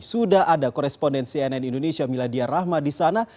sudah ada koresponden cnn indonesia miladia rahma di sana